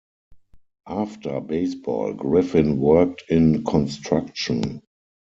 After baseball, Griffin worked in construction.